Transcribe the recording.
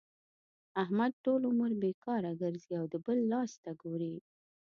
احمد ټول عمر بېکاره ګرځي او د بل لاس ته ګوري.